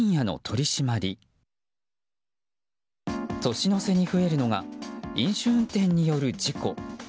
年の瀬に増えるのが飲酒運転による事故。